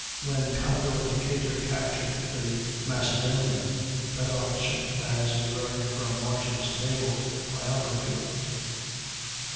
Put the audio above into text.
When Commodore Decatur captured the Macedonian, that officer, as we learn from Marshall's "Naval Biography" (ii.